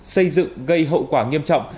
xây dựng gây hậu quả nghiêm trọng